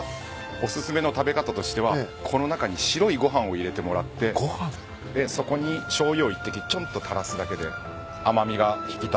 お薦めの食べ方としてはこの中に白いご飯を入れてもらってでそこにしょうゆを１滴ちょんと垂らすだけで甘味が引き立って。